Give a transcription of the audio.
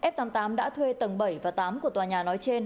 f tám mươi tám đã thuê tầng bảy và tám của tòa nhà nói trên